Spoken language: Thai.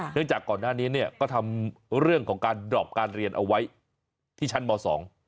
จากก่อนหน้านี้เนี่ยก็ทำเรื่องของการดรอปการเรียนเอาไว้ที่ชั้นมสอง